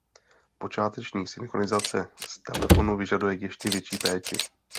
Počáteční synchronizace z telefonu vyžaduje ještě větší péči.